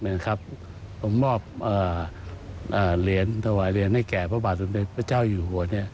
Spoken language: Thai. และมอบเหรียญทวายให้แก่พระบาทสมเด็จพระเจ้าอยู่บน